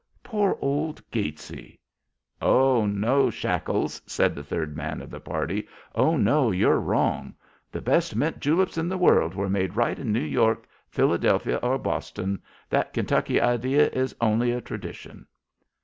Poor old Gatesie!" "Oh, no, Shackles!" said the third man of the party. "Oh, no, you're wrong. The best mint juleps in the world are made right in New York, Philadelphia or Boston. That Kentucky idea is only a tradition."